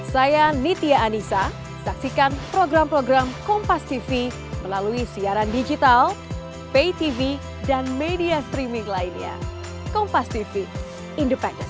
silahkan masyarakat yang menilai